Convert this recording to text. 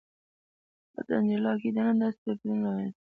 واټن جلا کېدنه داسې توپیرونه رامنځته کوي.